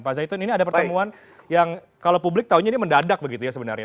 pak zaitun ini ada pertemuan yang kalau publik tahunya ini mendadak begitu ya sebenarnya